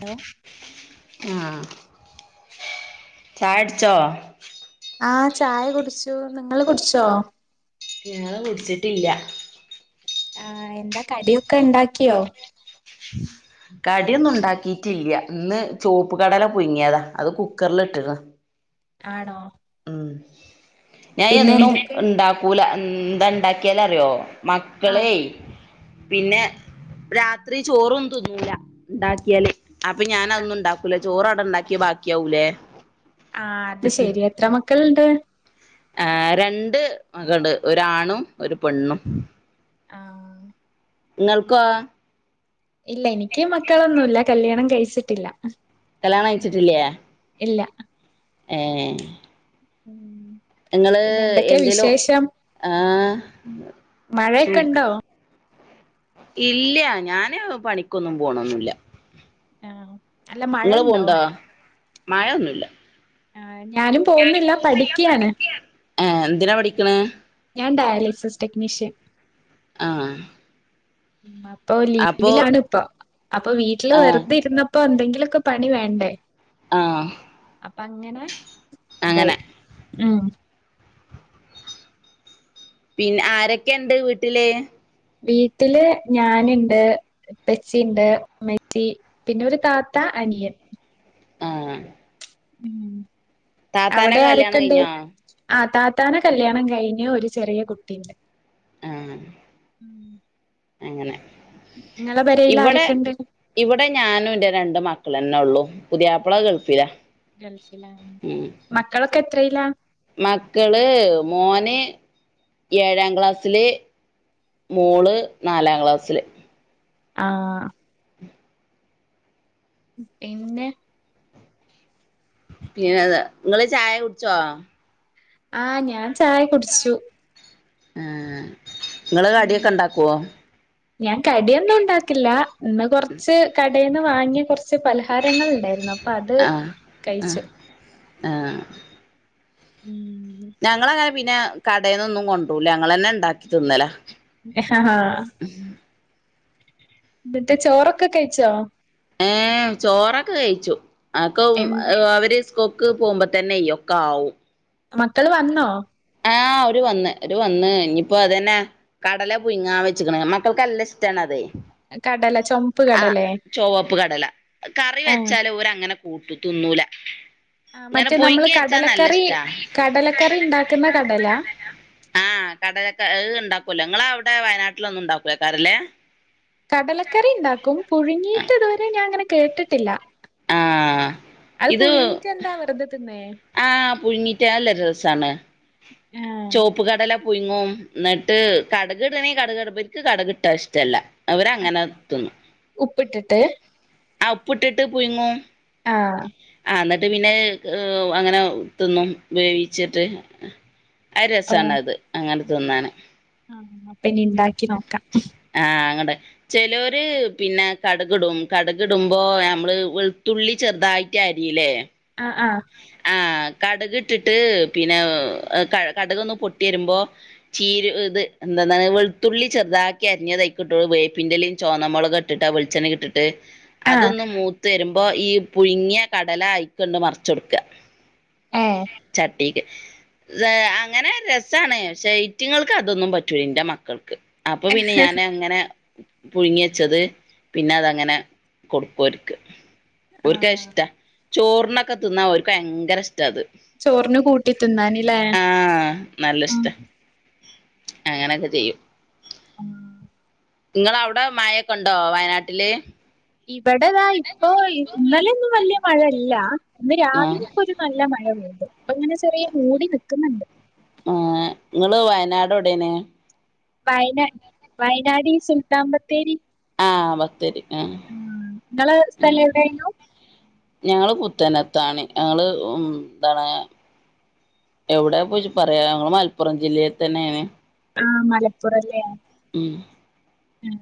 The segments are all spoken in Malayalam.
ഹലോ ആ ചായ കുടിച്ചോ ആ ചായ കുടിച്ചു നിങ്ങള് കുടിച്ചോ ഞങ്ങള് കുടിച്ചിട്ടില്ല ആഹ എന്താ കടിയൊക്കെ ഉണ്ടാക്കിയോ കടിയൊന്നും ഉണ്ടാക്കിട്ടില്ല ഇന്ന് ചുവപ്പ് കടല പുങ്ങിയതാ അത് കുക്കറില ഇട്ടിക്ക്ണു ആണോ ആ ഞാൻ പിന്നെ എന്നും എന്തൊക്കെ ഉണ്ടാക്കൂല എന്ത ഉണ്ടാക്കിയാൽഅറിയോ ആഹ് മക്കളെ പിന്നെ രാത്രി ചോറൊ തിന്നൂല ഉണ്ടാക്കിയല് അപ്പൊ ഞാനതന്ന ഉണ്ടാക്കൂല ചോറ് ഉണ്ടാക്കി ബാക്കിയാവൂലേ ആ അത് ശ രി എത്ര മക മക്കൾ ഇണ്ട് ഏ രണ്ട് മകള് ഒരാണും ഒരു പെണ്ണും ആഹ നിങ്ങൾ കൊ ഇല്ല എനിക്ക് മക്കളൊന്നുല്ല കല്യാണം കഴിച്ചിട്ടില്ല കല്യാണം കഴിച്ചിട്ടില്ലേ ഇല്ല ഏ ഉം ഇങ്ങള് പിന്നെ എന്തൊക്കെ എന്തേലും വിശേഷം ആഹ് മഴയൊക്കെ ഇണ്ടോ ഇല്ല ഞാന് പണിക്കൊന്നും പോണൊന്നില്ല ആഹ് അല്ല മഴ ഇങ്ങള് ഇണ്ടോ പോണ്ടാ മഴൊന്നുല്ല ഞാനും പോവുന്നില്ല പഠിക്കയാണ് ഏഹ് എന്തിനാ പഠിക്കണേ ഞാൻ ഡയലിസീസ് ടെക്നീഷ്യൻ ആ മ്മ ഇപ്പോ ലീവിലാണ് ഇപ്പ അപ്പൊ വീട്ടില് ആഹ് വെറുതെ ഇരുന്ന ഇപ്പൊ എന്തെങ്കിലൊക്ക പണി വേണ്ടേ ആ പ്പ അങ്ങനെ ബൈ ഉം പിന്ന ആരൊക്കെ ഉണ്ട് വീട്ടില് വീട്ടില് ഞാനുണ്ട് ഇപ്പച്ചിയിണ്ട് ഉമ്മച്ചി പിന്നെ ഒരു താത്ത അനിയൻ ആ ഉം അവിടെ കല്യാണം ആരക്കൊണ്ട് കഴിഞ്ഞോ ആ താ ത്താന കല്യാണം കഴിഞ്ഞു ഒരു ചെറിയ കുട്ടിയി ആ അങ്ങനെ ഇങ്ങളെ പെരേല് ഇവിടെ ആരൊക്കെണ്ട് ഇവിടെ ഞാനും ഇന്റെ രണ്ട് മക്കളെന്നെ ഉള്ളൂ പുതിയാപ്പള ഗൾഫിലാ ഗൾഫില ഉം മക്കള് ക്കെത്രയിലാ മക്കള് മോന് ഏഴാം ക്ലാസ്സില് മോള് നാലാം ക്ലാസ്സില് ആഹ് പിന്നെ പിന്നെത് ഇങ്ങള് ചായ കുടിച്ചോ ആ ഞാൻ ചായ കുടിച്ചു ആ നിങ്ങള് ഉം കടിയൊക്കെ ഉണ്ടാക്കുവോ ഞാൻ കടിയൊന്നുണ്ടാക്കില്ല ഇന്ന് കൊറച്ച് കടി ടേന്ന് വാങ്ങി കൊറച്ച് ച്ച് പലഹാരങ്ങളിണ്ടായിരുന്നു അപ്പൊ അത് ആ ആ കഴിച്ചു ആ ഞങ്ങളങ്ങനെ പിന്നെ കടെന്നൊന്നും കൊണ്ടോരുല ഞങ്ങളന്നെ ണ്ടാക്കി തിന്നലാ. ങ് ഹ ആ ന്നിട്ട് ചോറൊക്കെ കഴിച്ചോ? ഏ ചോറൊക്കെഴിച്ചു. അക്കവും എന്ത അവര് കൊക്ക് പോമ്പത്തന്നെ യിയൊക്കെ ആവും. മക്കള് വന്നോ? ആ ഓര് വന്ന് ഒര് വന്ന് ഇനിയിപ്പതന്നെ കടല പുയ്ങ്ങാൻ വെച്ച്ക്കണ് മക്കൾക്കല്ല ഇഷ്ട്ടാണതെ. കടല ചൊമപ്പ് ആ കടലേ ചൊവപ്പ് കടല കറി ആഹ് വെച്ചാൽ ഓരങ്ങനെ കൂട്ടിതിന്നൂലാ. ആ മറ്റേ നമ്മള് കടലക്കറി കടലക്കറി ണ്ടാക്ക്‌ന്ന ആ കടലക്കെ ഏണ്ടാക്കൂലോ ങ്ങളവിടെ വയനാട്ടിലൊന്നു ണ്ടാക്കൂലകരലെ? കടലക്കറി ണ്ടാക്കും പുഴുങ്ങിയിട്ട് ഇതുവരെ ഞാൻ അങ്ങനെ കേട്ടിട്ടില്ല ആഹ് അത് പുഴുങ്ങിട്ടെന്താ വെറുതെ തിന്നെ? ആ പുഴിങ്ങിട്ട് അല്ലെ രസാണ്. ആഹ് ചോപ്പ് കടല പുയ്ങ്ങും ന്നിട്ട് കടകിടണെ കടകിടബെനിക്ക് കടുകിട്ടാ ഇഷ്ട്ടല്ല. അവരങ്ങനെ തിന്നും. ഉപ്പിട്ടിട്ട് ആ ഉപ്പ്ട്ട്ട്ട് പുയ്ങ്ങും ആ ആ ന്നട്ട് പിന്നെ അങ്ങനെ തിന്നും വേവിച്ചിട്ട് അയ് രസാണത് അങ്ങന തിന്നാന്. അപ്പനി ണ്ടാക്കി നോക്കാം. ആ അങ്ങടെ ചെലോര് പിന്നെ കട് ഗ്‌ടും കട് ഗ്‌ടുമ്പോ യമ്മള് വെൾത്തുള്ളി ചെർതായിട്ടരീലെ ആ ആ കട് ഗ്‌ട്ട്ട്ട് പിന്നെ ക കടുകൊന്ന് ‌ പൊട്ട്യരുമ്പോ ചീരു ഇത് എന്തന്നാ വെൾത്തുള്ളി ചെർതാക്കി അര്ഞ്ഞ തയ്ക്കിട്ടോളൂ വേപ്പിന്റെലേം ചൊവ്ന്ന മൊളകിട്ടിട്ട് വെളിച്ചെണ്ണേകിട്ടിട്ട് ത് ആഹ് അതൊന്ന്‌ മൂത് ത്തരുമ്പോ ഈ പുഴ്ങ്ങ്യ കടല അയ്ക്കണ്ട് മർ ച്ചൊട്ക്കാ ഏഹ് ചട്ട് [unintelligible] അങ്ങനെ രസാണ് ശെ ഇറ്റങ്ങക്കതൊന്നും പറ്റൂല എന്റെ മക്കൾക്ക്. അപ്പൊ പിന്നെ ഞാന്ങ്ങനെ പുഴുങ്ങിച്ചത് പിന്നെ അതങ്ങനെ കൊടുക്കോര്ക്ക്. ഒര്ക്കാ അത് ആഹ് ഇഷ്ട്ടാ ചോർണ ഒക്കെ തിന്നാൻ ഓല്ക്ക് ഭയങ്കര ഇഷ്ട്ടാ ചോറിന് കൂട്ടി തിന്നാന്ല്ലേ ആഹ് നല്ല ഇഷ്ട അങ്ങനൊക്കെ ചെയ്യും ആ നിങ്ങളെ അവിടെ മായൊക്കെ ഉണ്ടോ വയനാട്ടില് ഇവിടതാ ഇപ്പൊ ഇന്നലെന്നും വലിയ മഴല്ല ഇന്ന് രാവിലെ ആഹ് ഇപ്പോ ഒരു നല്ല മഴ പെയ്തു അങ്ങനെ ചെറിയ മൂടി നിക്കുന്നുണ്ട് ആ നിങ്ങള് വയനാട് എവിടെണ് വയനാട് വയനാടി സുൽത്താൻ ബത്തേരി ആഹ് ബത്തേരി ആഹ് ആ നിങ്ങളെ സ്ഥലം എവിടേനു ഞങ്ങള് പുത്തനത്താണി ഞങ്ങള് എന്താണ് എവിടെ പോയി പറയാ ഞങ്ങ മലപ്പുറം ജില്ലയിൽ തന്നെയേണ് ആഹ് മലപ്പുറല്ലേ ഉം ഉം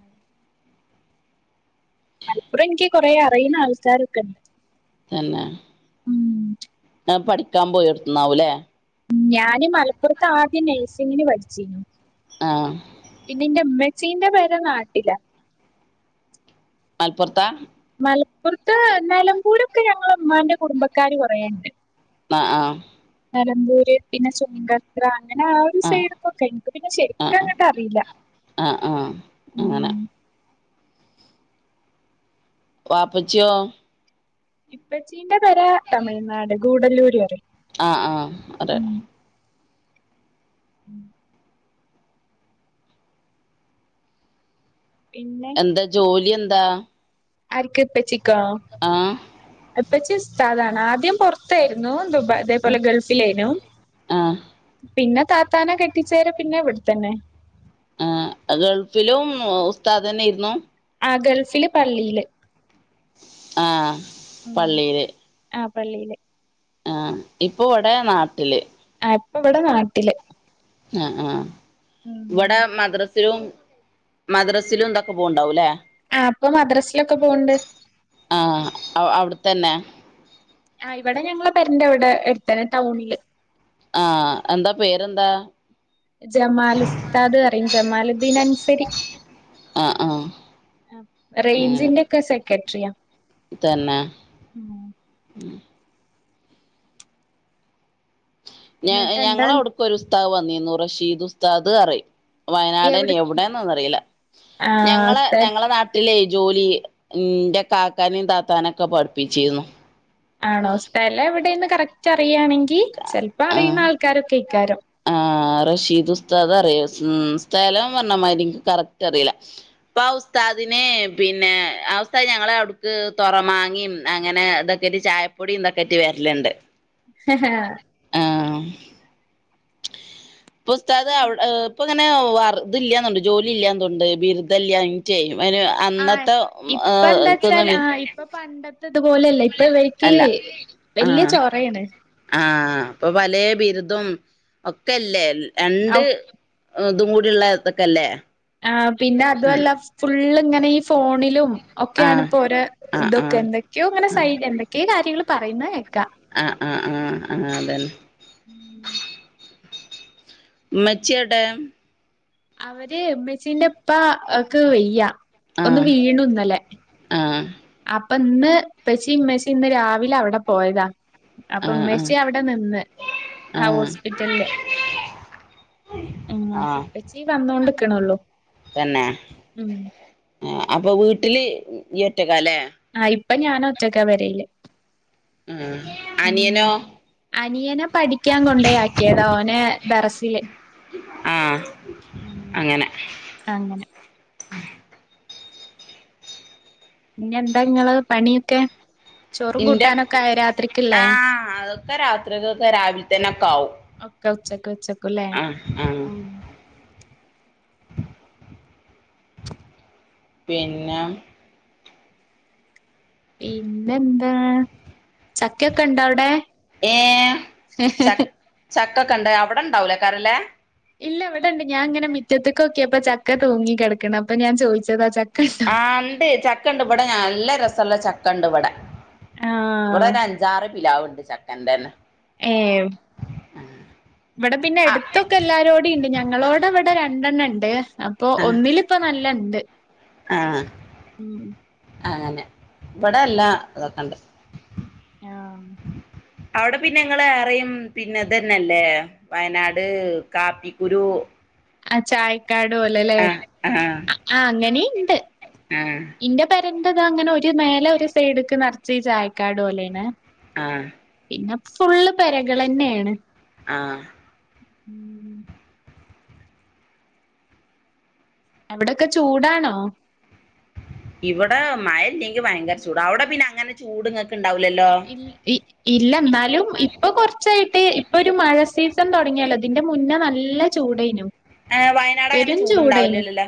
മലപ്പുറം എനിക്ക് കൊറേ അറിയുന്ന ആൾക്കാരൊക്കെ ഉണ്ട് തന്നെ ഉം പഠിക്കാൻ പോയടുത്തുന് ആവും ഇല്ലേ ഞാന് മലപ്പുറത്ത ആദ്യം നഴ് സിങ്ങിന് പഠിച്ചിരുന്നു ആഹ് പിന്നെ ഇന്റെ ഇമ്മ- ഹസ്സിന്റെ പേരെ നാട്ടില മലപ്പുറത്താ മലപ്പുറത്ത് നിലമ്പൂരൊക്കഞങ്ങളെ ഉമ്മാന്റെ കുടുംബക്കാർ കുറെ ഉണ്ട് ആ ആ നിലമ്പൂര് പിന്നെ ചുങ്കത്ര അങ്ങനെ ആ ഒരു ആഹ് സൈഡക്കൊക്കെ എനിക്ക് പിന്നെ ശരിക്കും ആഹ് ആഹ് അങ്ങോട്ട് അറിയില്ല ആഹ് ആഹ് ഉ അങ്ങനെ വാപ്പച്ചിയോ ഇപ്പച്ചീന്റെ പേര തമിഴ്നാട് ഗൂഡല്ലൂര് പറിം ആ ആ അറ്യം ഉം എന്താ ജോലി എ ന്താ ആര്ക്ക്‌ ഇപ്പച്ചി ക്ക ഇപ്പച്ചി ഉസ്താദ് ആണ് ആദ്യം പുറത്തായിരുന്നു ദുബ അതേപോലെ ഗൾഫിലായിനു ആഹ് പിന്നെ താത്താന കെട്ടിച്ചേരെ പിന്നെ എവിടെത്തന്നെ ആ ഗൾഫിലും ഉസ്താ തന്നെയിരുന്നു ആ ഗൾഫില് പള്ളിയില് ആ പള്ളീല് പള്ളില് ആ ഇപ്പൊ ഇവിടെ നാട്ടില് ആ ഇപ്പവിടെ നാട്ടില് ആ ആ ഉം. ഇവടെ മദ്രസ് ത്തിലുംമദ്രസിലും എന്തൊക്കെ പോകണ്ടാവും അല്ലേ ആ അപ്പൊ മദ്രാസിലൊക്കെ പോണ്ട് ആഹ് അവിടെത്തന്നെ ആ ഇവിടെ ഞങ്ങള് പേരന്റ് ഇവിടെ എടുത്തന ടൗണില് ആ എന്താ പേരെന്താ ജമാൽ ഉസ്താദ് പറയു ജമാലുദ്ദീൻ അൻസരി ആഹ് ആഹ് അങ്ങനെ റേഞ്ചിന്റെഒക്കെെസേ കെട്ടറിയാ തന്നെ ഉ ഞ എന്നിട്ട് എന്താ ഞങ്ങള അവിടക്ക ഒരു ഉസ്താദ് വന്നു ന്നിന്നു റഷീദ് ഉസ്താദ് പറയു എവിടെ വയനാട്നെഎവിടെന്ന് ഒന്ന അറിയില്ല ആഹ് ഞങ്ങള് സ്ഥ ഞങ്ങളെ നാട്ടിലെ ജോലി എന്റെ കാക്കാനയും താത്താനൊക്കെ പഠിപ്പിച്ചിരുന്നു ആണോ സ്ഥലം എവിടെന്ന് കറക്റ്റ് അറിയാണെങ്കിൽ ഇക്ക് ചിലപ്പോ ആഹ് അറിയുന്ന ആൾക്കാരൊക്കെ ഇക്കാരോ ആ റഷീദ് ഉസ്താദ് അറിയ സ് പറഞ്ഞ മാതിരിനിക്ക് കറക്റ്റ് അറിയില്ല അപ്പൊ ആ ഉസ്താദിനന് പിന്നെ ആ ഉസ്താദ് ഞങ്ങള് അവിടുക്ക് തുറ മാങ്ങിയും അങ്ങനെ ഇതൊക്കെ് ചായപ്പൊടിയ ഇതൊക്കെ ആട്ട് വരലുണ്ട് ഹ പുസ്തക അ ഇപ്പൊ ഇങ്ങനെ വറുത ഇല്ലന്നുണ്ട് ജോലി ഇല്ലണ്ട് ബിരുദല്ലന ചെയ്യും അ ആഹ് യ്ന്അന്നത്തെ ഏ എക്കന്ന ഇത്പോലെയല്ല ഇപ്പ ഇവയ്ക്ക് ആ വല്യ ചോറാണ് ആ അപ്പൊ പല ബിരുദും ഒക്കെല്ലേ രണ്ട് ഇതുംകൂടിയ ഉള്ളതൊക്കെ അല്ലേ ആ പിന്നെ അതുമല്ല ഫുള്ള് എങ്ങനെ ഈ ഫോണിലും ഒക്കെയാണ് ആഹ് ഇപ്പോരെ ആഹ് ഇതൊക്കെ ആഹ് എന്തൊക്കെയോ അങ്ങനെ സൈഡ് എന്തൊക്കേ കാര്യങ്ങൾ പറയുന്നത് കേക്കാ ആഹ് ആഹ് ആഹ് ആഹ് അതന്നെ ഊം ഉമ്മച്ചിയോ ടെ അവര് ഇമ്മച്ചീന്റെപ്പാക്ക് വയ്യ ഒന്ന് ആഹ് വീണു ഇന്നലെ ആഹ് അപ്പം ഇന്ന് ഇപച്ചിം ഉമ്മച്ചി ഇന്ന് രാവിലെ അവിടെ പോയതാ അപ്പൊ ആഹ് ആഹ് ഉമ്മച്ചി അവിടെ നിന്ന് ആ ആഹ് ഹോസ്പിറ്റലില് ഉം അപ്പ ആഹ് ഉപ്പച്ചി വന്നോണ്ട് ക്ക്ണൊള്ളൂ തന്നെ ആ അപ്പൊ വീട്ടില് ഇയൊറ്റ ക്കാലേ പ്പം ഞാൻ ഒറ്റക്ക പെരേല് ഉം ഉം അനിയനോ അനിയനെ പഠിക്കാൻ കൊണ്ട യാക്കിയതാ ഓനെ ദറസില് ആഹ് ഉം അങ്ങനെ അങ്ങനെ പിന്നെ എന്താ ഇങ്ങള് പണിയൊക്കെ ചോറും ഇന്റെ കൂട്ടാനൊക്കെ ആയോ രാത്രിക്കില്ലേ ആഹ് അതൊക്കെ രാത്രികക്ക് രാവിൽ തന്നെ ഒക്കെ ആവും ക്കെ ഉച്ചക്ക് വെച്ച കുല്ലേ ആഹ് ആഹ് ഉം പിന്നെ പിന്നെ എന്താ ചക്കയൊക്കെ ഇണ്ടോ ഔടെ ക്കെക്കണ്ട് അവിടെ ഉണ്ടാവുലേകാരല്ലേ ഇല്ല ഇവിടെണ്ട് ഞാൻ ഇങ്ങനെ മിറ്റത്ത്ക്കോക്ക്യപ്പോ ചക്ക തൂങ്ങി കെടക്ണ് അപ്പൊ ഞാൻ ചോദിച്ചതാ ച ആ ഇണ്ട് ചക്കണ്ട് ഇബടെ നല്ല രസള്ള ചക്കണ്ട് ഇവടെ ഇവിടെ ആഹ് ഒരഞ്ചാറ് പിലാവിണ്ട് ഇണ്ട് ചക്കൻ്റെന്നെ ഏഹ് ഇവിടെ പിന്നെ ആ എട്ത്തൊക്കെ എല്ലാരോടീണ്ട് ഞങ്ങളോടെ ഇവടെ രണ്ടെണ്ണ ഇണ്ട് അപ്പൊ ആ ഒന്നിലിപ്പ നല്ല ഇണ്ട് ആ ഉം അങ്ങനെ ഇവിടെല്ലാ ഇതൊക്കെണ്ട്. ആഹ്. അവിടെ പിന്നെ ഇങ്ങള് ഏറെയും പിന്നെ ഇതന്നല്ലേ വയനാട് കാപ്പിക്കുരു. അഹ് ചായി ക്കാട് പോലെയല്ലേ? ആ ആ ആ അങ്ങനീണ്ട് ആ ഇന്റെ പെര ഇത് ദാ ഇങ്ങനെ ഒരു മേലെ ഒരു സൈഡ്ക്ക് നർച്ച് ഈ ചായക്കാട് പോലേണ്. ആ പിന്നെ ഫുള്ള് പെരകൾ തന്നെയാണ്. ആ ഉം. അവിടൊക്കെ ചൂടാണോ? ഇവിടെ മയയില്ലങ്കി ഭയങ്കര ചൂട അവിടെ പിന്നെ അങ്ങനെ ചൂട്ങ്ങക് ഇൽ ഇ ഇല്ല എന്നാലും ഇപ്പൊ കുറച്ചായിട്ട് ഇ ഇപ്പൊ ഒരു മഴ സീസൺ തുടങ്ങിയല്ലൊലതി എന്റെ മുന്നേ നല്ല ചൂടയനു. ആ വയനാട് അങ്ങനെ ചൂട്ണ്ടാവലല്ലല്ലോ?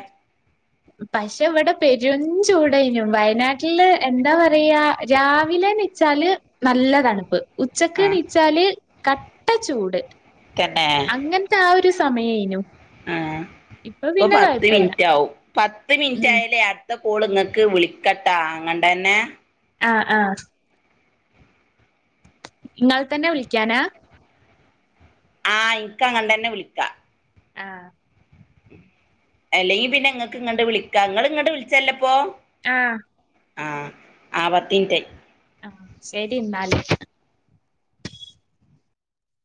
പക്ഷെ ഇവിടെ പെര ചൂടയനു, വയനാട്ടില് എന്താ പറയാ രാവിലെന്നെ ച്ചാല് നല്ല തണുപ്പ്. ഉച്ചക്ക് ആ നീച്ചാല് കട്ട ചൂട്. തന്നെ അങ്ങനത്തെ ആ ഒരു സമയേനു. ആ ഇപ്പൊ പിന്നെ പത്ത് കൊഴപ്പല്ല മിനിറ്റാവും പത്ത് ഉം മിനിറ്റായാലെ അ ത്തെ കോള് ഇങ്ങക്ക് വിളിക്കട്ടാ അങ്ങണ്ടന്നെ ആഹ് ആഹ് ഇങ്ങളെ തന്നെ വിളിക്കാനാ ആഹ് ഇക്ക് അങ്ങ തന്നെ വിളിക്കാം ആഹ് അല്ലെങ്കി പിന്നെ ഇങ്ങക്ക് ഇങ്ങോട്ട് വിളിക്കാം ഇങ്ങള് ഇങ്ങോട്ട് വിളിച്ചല്ലെപ്പോ ആഹ് ആഹ് ആപത്തിന്റെ ആഹ് ശരിയെന്നാല്